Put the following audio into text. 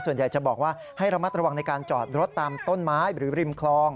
ส่วนใหญ่จะบอกว่าให้ระมัดระวังในการจอดรถตามต้นไม้หรือริมคลอง